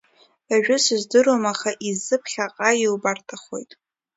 Уажәы сыздыруам, аха иззы ԥхьаҟа иубарҭахоит.